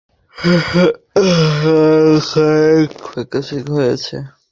ঈশ্বর, ওর মুখখানা কেমন ফ্যাঁকাসে হয়ে গেছে!